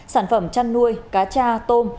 sản phẩm chăn nuôi cá cha tôm